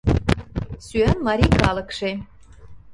Сӱан марий калыкше